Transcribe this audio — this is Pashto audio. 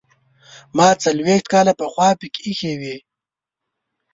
ما څلوېښت کاله پخوا پکې ایښې وې.